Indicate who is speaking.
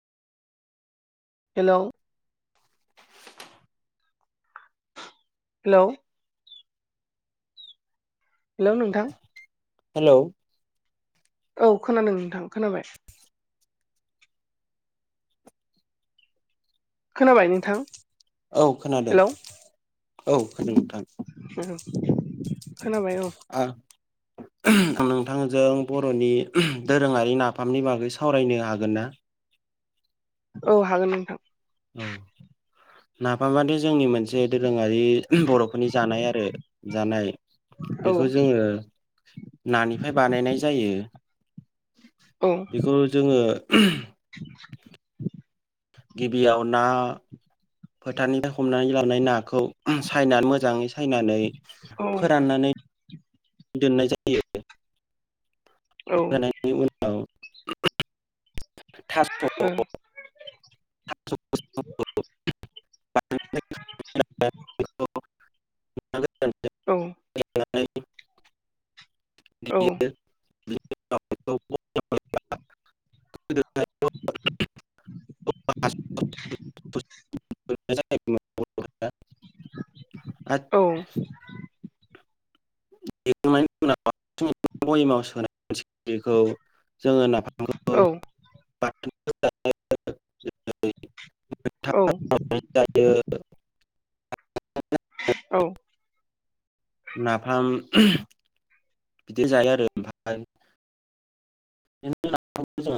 Speaker 1: Hello hello. Hello नोंथां
Speaker 2: hello
Speaker 1: औ खोनादों नोंथां खोनाबाय खोनाबाय नोंथां?
Speaker 2: औ खोनादों
Speaker 1: हेलौ
Speaker 2: औ। नोंथां
Speaker 1: खोनाबाय औ
Speaker 2: आ नोंथांजों बर'नि दोरोङारि नाफामनि बागै सावरायनो हागोन ना?
Speaker 1: औ हागोन नोंथां।
Speaker 2: औ नाफामादि जोंनि मोनसे दोरोङारि बर'फोरनि जानाय आरो जानाय
Speaker 1: औ
Speaker 2: बेखौ जोङो नानिफ्राय बानायनाय जायो।
Speaker 1: औ
Speaker 2: बेखौ जोङो
Speaker 1: [unintelligible]
Speaker 2: गिबियाव ना फोथारनिफ्राय हमनानै लानाय ना खौ सायनानै मोजाङै सायनानै
Speaker 1: औ
Speaker 2: फोराननानै दोननाय जायो।
Speaker 1: औ
Speaker 2: फोराननायनि उनाव [unintelligible] थास' थास' [unintelligible] [unintelligible]
Speaker 1: औ
Speaker 2: [unintelligible] [unintelligible] [unintelligible] [unintelligible]
Speaker 1: औ।
Speaker 2: [unintelligible] बयेमाव होनाय [unintelligible] खौ जोङो नाफामखौ
Speaker 1: औ
Speaker 2: बा [unintelligible]
Speaker 1: औ।
Speaker 2: नाफाम बिदि जायो आरो ओमफाय [unintelligible]